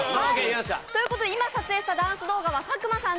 今撮影したダンス動画は佐久間さん